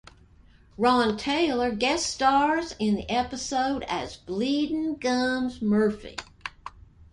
Ron Taylor guest stars in the episode as Bleeding Gums Murphy.